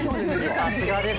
さすがです。